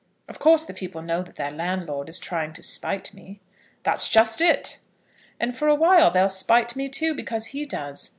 Of course the people know that their landlord is trying to spite me." "That's just it." "And for awhile they'll spite me too, because he does.